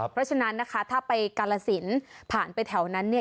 เพราะฉะนั้นนะคะถ้าไปกาลสินผ่านไปแถวนั้นเนี่ย